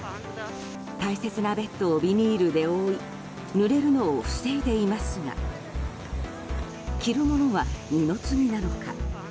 大切なベッドをビニールで覆い濡れるのを防いでいますが着るものは二の次なのか。